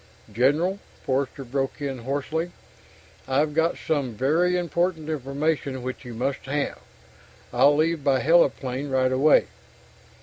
_ "General," Forster broke in hoarsely. "I've got some very important information which you must have. I'll leave by heliplane right away."